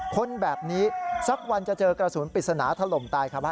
คนแบบนี้สักวันจะเจอกระสุนปริศนาถล่มตายครับ